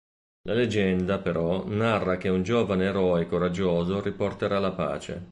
La leggenda, però, narra che un giovane eroe coraggioso riporterà la pace.